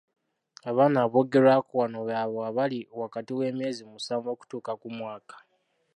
Abaana aboogerwako wano be abo abali wakati w’emyezi musanvu okutuuka ku mwaka .